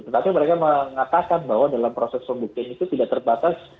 tetapi mereka mengatakan bahwa dalam proses pembuktian itu tidak terbatas